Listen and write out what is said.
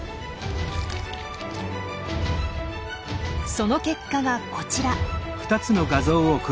その結果がこちら。